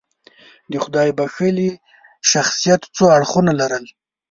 د خدای بښلي شخصیت څو اړخونه لرل.